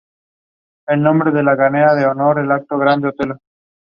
The movement, like the first, is in sonata form.